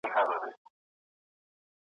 زه په خپل جنون کي خوښ یم زولنې د عقل یوسه ,